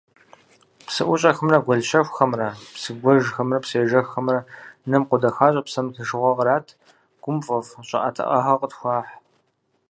Псыӏущӏэхэмрэ гуэл щэхухэмрэ, псыгуэжхэмрэ псыежэххэмрэ нэм къодэхащӏэ, псэм тыншыгъуэ кърат, гум фӏэфӏ щӏыӏэтыӏагъэ къытхуахь.